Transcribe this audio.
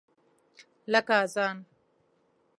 لکه اذان !